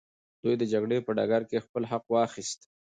دوی د جګړې په ډګر کي خپل حق واخیست.